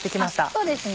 そうですね